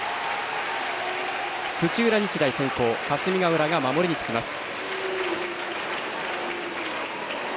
土浦日大、先攻霞ヶ浦が守りにつきます。